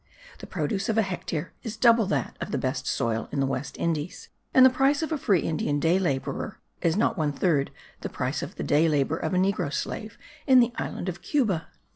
The produce of a hectare is double that of the best soil in the West Indies and the price of a free Indian day labourer is not one third the price of the day labour of a negro slave in the island of Cuba.